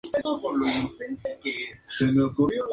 El edificio presenta una gran homogeneidad en su construcción.